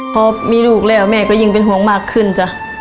พอมีลูกแล้วแม่ก็ยิ่งเป็นห่วงมากขึ้นจ้ะ